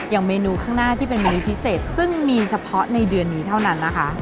เมนูข้างหน้าที่เป็นเมนูพิเศษซึ่งมีเฉพาะในเดือนนี้เท่านั้นนะคะ